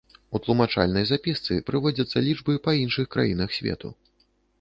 У тлумачальнай запісцы прыводзяцца лічбы па іншых краінах свету.